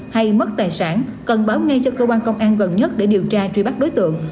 hay mất tài sản cần báo ngay cho cơ quan công an gần nhất để điều tra truy bắt đối tượng